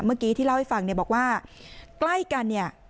เมื่อกี้ที่เล่าให้ฟังเนี่ยบอกว่าใกล้กันเนี่ย